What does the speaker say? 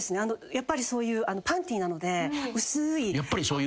「やっぱりそういうパンティーなので」